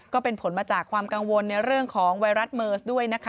ก็เป็นผลมาจากความกังวลในเรื่องของไวรัสเมิร์สด้วยนะคะ